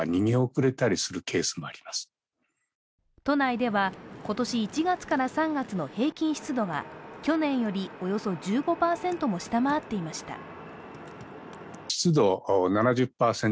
都内では今年１月から３月の平均湿度が、去年よりおよそ１５％も下回っていました。